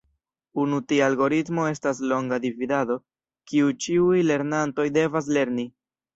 Unu tia algoritmo estas longa dividado, kiu ĉiuj lernantoj devas lerni.